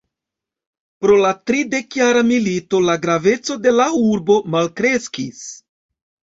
Pro la Tridekjara milito la graveco de la urbo malkreskis.